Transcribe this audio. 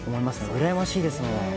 うらやましいですもん。